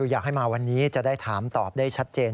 อยากให้มาวันนี้จะได้ถามตอบได้ชัดเจน